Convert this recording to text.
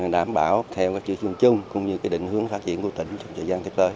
đảm bảo theo các chữ chung chung cũng như định hướng phát triển của tỉnh trong thời gian tiếp tới